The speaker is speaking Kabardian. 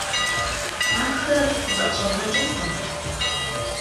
Ахэр зыӀэщӀэзгъэкӀынкъым.